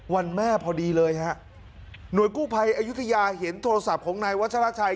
วันแม่พอดีเลยฮะหน่วยกู้ภัยอายุทยาเห็นโทรศัพท์ของนายวัชราชัย